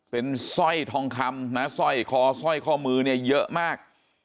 เป็นสร้อยทองคำนะสร้อยคอสร้อยข้อมือเนี่ยเยอะมาก